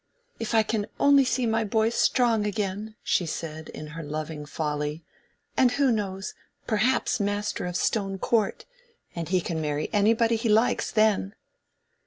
"If I can only see my boy strong again," she said, in her loving folly; "and who knows?—perhaps master of Stone Court! and he can marry anybody he likes then."